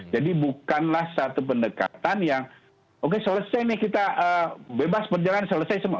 jadi bukanlah satu pendekatan yang oke selesai nih kita bebas berjalan selesai semua